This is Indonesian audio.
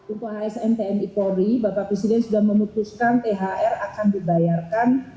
untuk asn tni polri bapak presiden sudah memutuskan thr akan dibayarkan